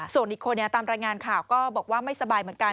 ส่วนอีกคนตามรายงานข่าวก็บอกว่าไม่สบายเหมือนกัน